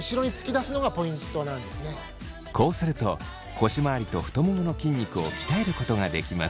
こうすると腰まわりと太ももの筋肉を鍛えることができます。